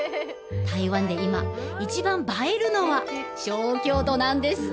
台湾で今一番映えるのは小京都なんです！